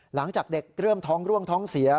หลังจากเด็กเริ่มท้องร่วงท้องเสีย